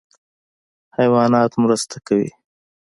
حیوانات مرسته کوي.